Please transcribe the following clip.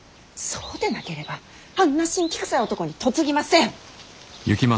そうでなければあんな辛気くさい男に嫁ぎません！